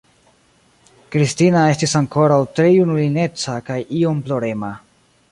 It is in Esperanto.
Kristina estis ankoraŭ tre junulineca kaj iom plorema.